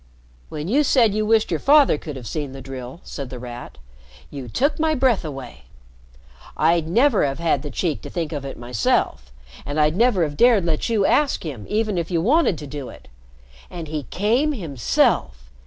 "When you said you wished your father could have seen the drill," said The Rat, "you took my breath away. I'd never have had the cheek to think of it myself and I'd never have dared to let you ask him, even if you wanted to do it. And he came himself!